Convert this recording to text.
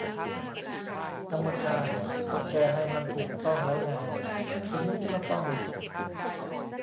กรรมการ : ก็แก้ให้มันถูกต้องแล้วไง ทีนี้ก็ต้อง